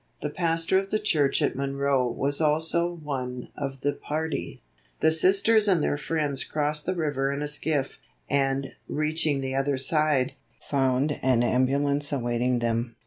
The pastor of the church at Monroe was also one of the party. The Sisters and their friends crossed the river in a skiff, and, reaching the other side, found an ambulance awaiting them.